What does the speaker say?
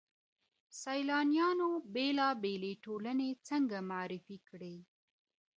سيلانيانو بېلابېلې ټولني څنګه معرفي کړې؟